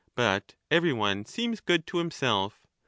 But every one seems good to himself.